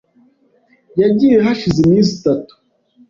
Yagiye hashize iminsi itatu.